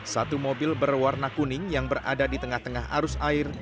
satu mobil berwarna kuning yang berada di tengah tengah arus air